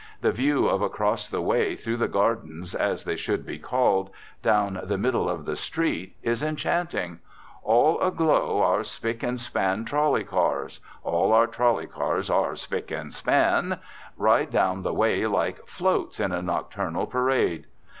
The view of across the way through the gardens, as they should be called, down the middle of the street, is enchanting. All aglow our spic and span trolley cars all our trolley cars are spic and span ride down the way like "floats" in a nocturnal parade.